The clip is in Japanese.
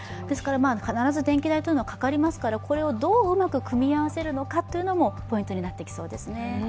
必ず電気代というのはかかりますから、これをどううまく見合わせるのかもポイントになってきそうですね。